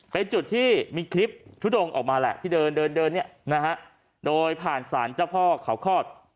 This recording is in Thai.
เป็นจุดที่มีคลิปทุดองค์ออกมาแหละที่เดินโดยผ่านสารเจ้าพ่อเขาคลอด